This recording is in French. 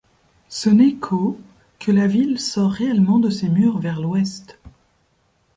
Ce n’est qu’au que la ville sort réellement de ses murs vers l’ouest.